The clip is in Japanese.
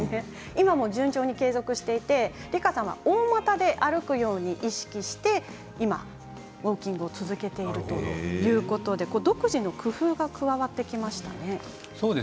今でも継続していて大股で歩くことを意識してウォーキングを続けているということで独自の工夫が加わってきましたね。